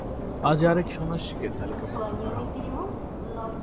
আজ আর একজন সন্ন্যাসীকে তালিকাভুক্ত করা হল।